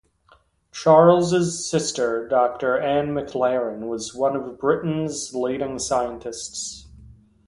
Charles' sister Doctor Anne McLaren was one of Britain's leading scientists.